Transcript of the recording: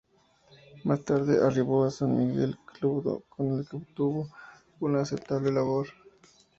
Más tarde, arribó a San Miguel, club con el que tuvo una aceptable labor.